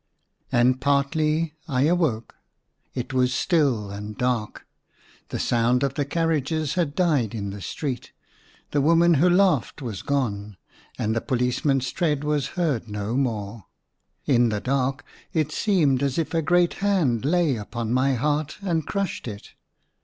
And partly I awoke. It was still and dark ; the sound of the carriages had died in the street ; the woman who laughed was gone ; and the policeman's tread was heard no more. In the dark it seemed as if a great hand lay upon my heart, and crushed it.